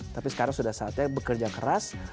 tapi sekarang sudah saatnya bekerja keras